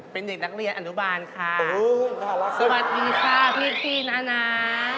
เป็นเด็กนักเรียนอนุบาลค่ะสวัสดีค่ะพี่นะ